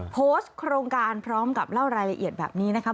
โพสต์โครงการพร้อมกับเล่ารายละเอียดแบบนี้นะครับ